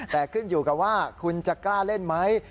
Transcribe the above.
แต่ขึ้นอยู่กับว่าคุณจะกล้าเล่นไหม